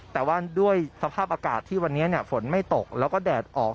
แต่ว่าด้วยสภาพอากาศที่วันนี้ฝนไม่ตกแล้วก็แดดออก